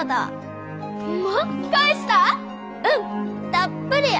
たっぷりや！